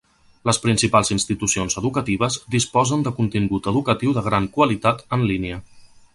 Les principals institucions educatives disposen de contingut educatiu de gran qualitat en línia.